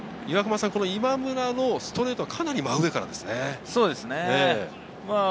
今村のストレートはかなり真上からですね。